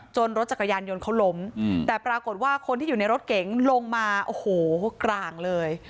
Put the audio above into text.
รถจักรยานยนต์เขาล้มแต่ปรากฏว่าคนที่อยู่ในรถเก๋งลงมาโอ้โหกลางเลย